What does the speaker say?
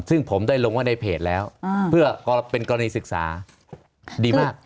ซึ่งผมได้ลงไว้ในเพจแล้วเพื่อเป็นกรณีศึกษาดีมาก